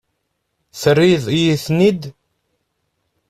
Terriḍ-iyi-ten-id?